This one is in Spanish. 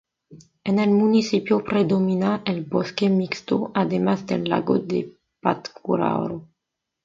En el municipio predomina el bosque mixto además del Lago de Pátzcuaro.